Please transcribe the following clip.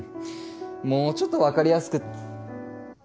もうちょっとわかりやすく。